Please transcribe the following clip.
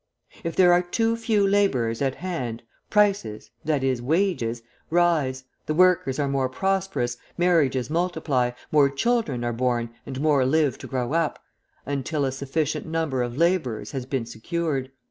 If there are too few labourers at hand, prices, i.e. wages, rise, the workers are more prosperous, marriages multiply, more children are born and more live to grow up, until a sufficient number of labourers has been secured.